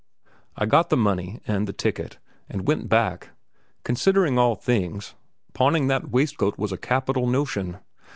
I got the money and the ticket, and went back. Considering all things, pawning that waistcoat was a capital notion.